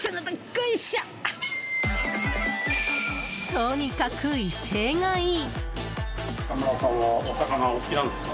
とにかく威勢がいい！